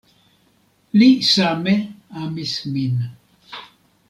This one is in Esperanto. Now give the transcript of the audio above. Li same amis min.